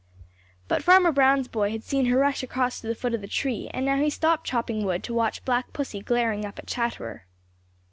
But Farmer Brown's boy had seen her rush across to the foot of the tree, and now he stopped chopping wood to watch Black Pussy glaring up at Chatterer.